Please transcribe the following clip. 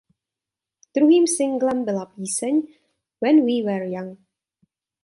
Druhým singlem byla píseň „When We Were Young“.